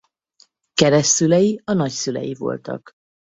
Keresztszülei a nagyszülei voltak.